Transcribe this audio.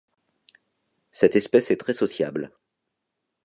Cette espèce est très sociable.